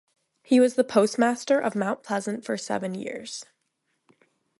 He was the postmaster of Mount Pleasant for seven years.